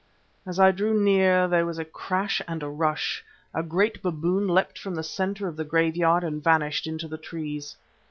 As I drew near, there was a crash and a rush. A great baboon leapt from the centre of the graveyard and vanished into the trees.